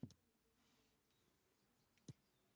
باران د افغان ماشومانو د لوبو یوه موضوع ده.